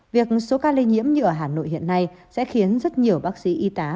việc số ca lây nhiễm như ở hà nội hiện nay sẽ khiến rất nhiều bác sĩ y tá